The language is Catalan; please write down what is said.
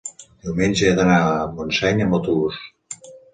diumenge he d'anar a Montseny amb autobús.